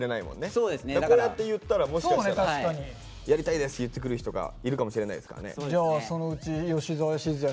こうやって言ったらもしかしたら「やりたいです」って言ってくる人がいるかもしれないですからね。